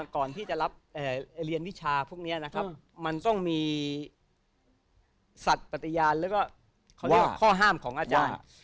ก่อนที่จะรับเรียนวิชาพวกนี้นะครับมันต้องมีสัตว์ปฏิญาณแล้วก็เขาเรียกข้อห้ามของอาจารย์